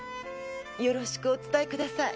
よろしくお伝えください。